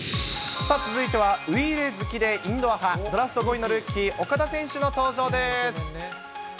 さあ、続いては、ウイイレ好きでインドア派、ドラフト５位のルーキー、岡田選手の登場です。